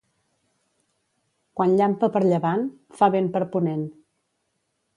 Quan llampa per llevant, fa vent per ponent.